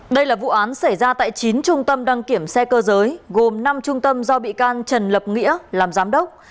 đây là vụ án xảy ra tại chín trung tâm đăng kiểm xe cơ giới gồm năm trung tâm do bị can trần lập nghĩa làm giám đốc